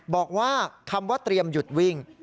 บอกว่าคำว่าเตรียมหยุดวิ่ง